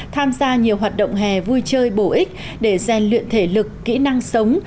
tham gia nhiều hoạt động hè vui chơi bổ ích để gian luyện thể lực kỹ năng sống